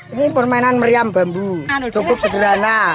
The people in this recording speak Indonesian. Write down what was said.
ini permainan meriam bambu cukup sederhana